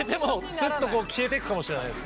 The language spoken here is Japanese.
すっとこう消えてくかもしれないです。